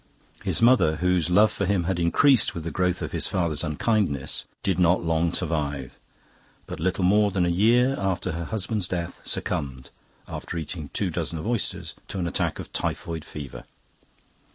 His mother, whose love for him had increased with the growth of his father's unkindness, did not long survive, but little more than a year after her husband's death succumbed, after eating two dozen of oysters, to an attack of typhoid fever.